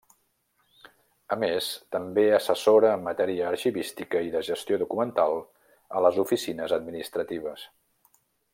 A més també assessora en matèria arxivística i de gestió documental a les oficines administratives.